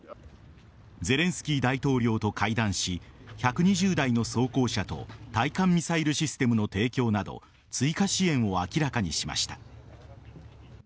ゼレンスキー大統領と会談し１２０台の装甲車と対艦ミサイルシステムの提供など追加支援を明らかにしました。